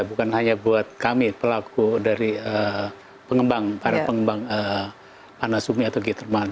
bukan hanya buat kami pelaku dari pengembang para pengembang panas sumi atau getherman